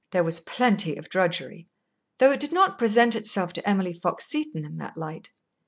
There was plenty of drudgery, though it did not present itself to Emily Fox Seton in that light.